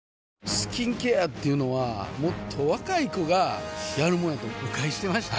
スキンケアっていうのはもっと若い子がやるもんやと誤解してました